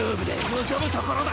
のぞむところだ！